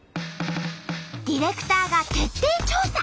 ディレクターが徹底調査！